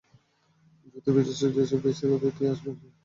যুদ্ধবিধ্বস্ত যেসব দেশ থেকে অতিথি আসবেন তাদের তালিকা আগে দিতে হবে।